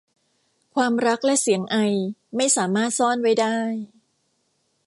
ความรักและเสียงไอ ไม่สามารถซ่อนไว้ได้